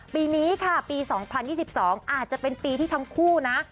ปีนี้ค่ะปี๒๐๒๒อาจจะเป็นปีที่ทั้งคู่นะ